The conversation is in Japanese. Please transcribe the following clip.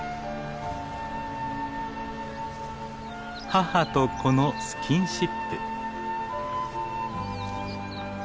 母と子のスキンシップ。